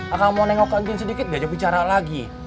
akang mau nengokin sedikit diajak bicara lagi